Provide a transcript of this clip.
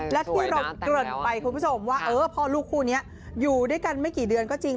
และที่เราเกริ่นไปคุณผู้ชมว่าเออพ่อลูกคู่นี้อยู่ด้วยกันไม่กี่เดือนก็จริง